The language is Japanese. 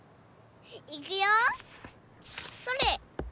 いくよそれっ！